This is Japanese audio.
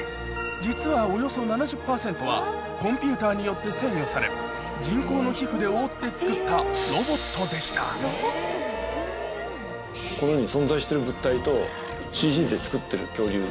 実はおよそ７０％はコンピューターによって制御され人工の皮膚で覆って作ったロボットでしたこの世に。